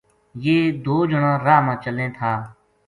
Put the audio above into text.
یہ دو جناں راہ ما چلیں تھا